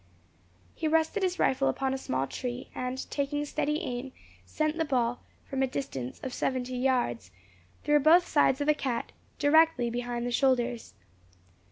He rested his rifle upon a small tree, and taking steady aim, sent the ball, from a distance of seventy yards, through both sides of the cat, directly behind the shoulders.